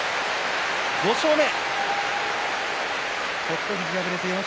５勝目。